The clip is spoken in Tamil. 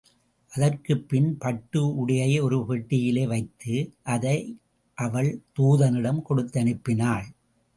அதற்குப்பின், பட்டு உடையை ஒரு பெட்டியிலே வைத்து, அதை அவள் தூதனிடம் கொடுத்தனுப்பினாள்.